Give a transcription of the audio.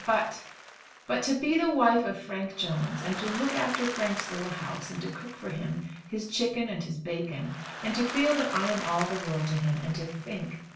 But but to be the wife of Frank Jones, and to look after Frank's little house, and to cook for him his chicken and his bacon, and to feel that I am all the world to him, and to think